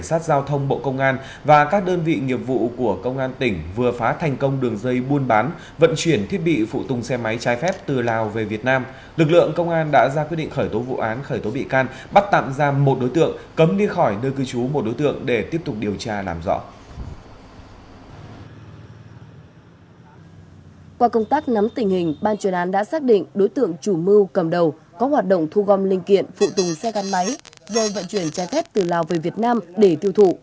qua công tác nắm tình hình ban truyền án đã xác định đối tượng chủ mưu cầm đầu có hoạt động thu gom linh kiện phụ tùng xe gắn máy rồi vận chuyển trái thép từ lào về việt nam để tiêu thụ